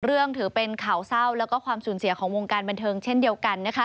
ถือเป็นข่าวเศร้าแล้วก็ความสูญเสียของวงการบันเทิงเช่นเดียวกัน